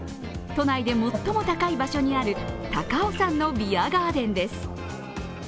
都内で最も高い場所にある高尾山のビアガーデンです。